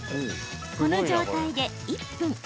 この状態で１分。